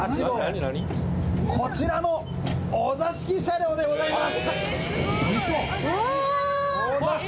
こちらのお座敷車両でございます。